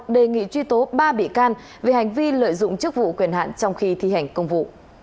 đề nghị truy tố ba bị can về hành vi lợi dụng chức vụ quyền hạn trong khi thi hành công vụ